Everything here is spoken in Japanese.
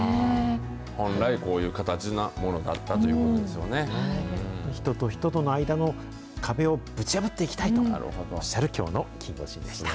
本来、こういう形なものだっ人と人との間の壁をぶち破っていきたいとおっしゃるきょうのキンゴジンでした。